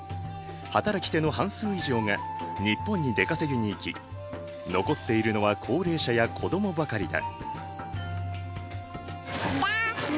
働き手の半数以上が日本に出稼ぎに行き残っているのは高齢者や子供ばかりだ。